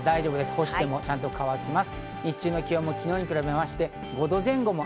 干してもちゃんと乾きます。